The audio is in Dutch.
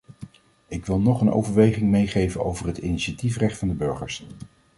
Ik wil nog een overweging meegeven over het initiatiefrecht van de burgers.